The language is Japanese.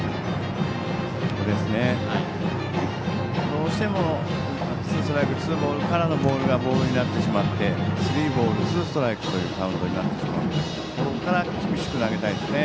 どうしてもツーストライクツーボールからのボールがボールになってしまってスリーボール、ツーストライクのカウントになってしまうのでここから厳しく投げたいですね。